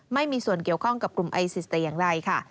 ไม่มีส่วนเกี่ยวข้องกับกลุ่มไอซิสแต่อย่างใดค่ะ